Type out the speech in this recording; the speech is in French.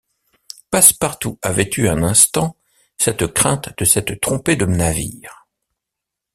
Passepartout avait eu un instant cette crainte de s’être trompé de navire!